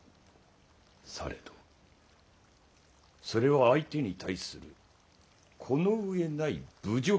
されどそれは相手に対するこの上ない侮辱である。